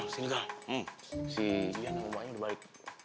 si iyan rumahnya udah baik